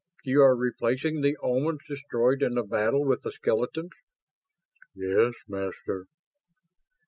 "You are replacing the Omans destroyed in the battle with the skeletons?" "Yes, Master."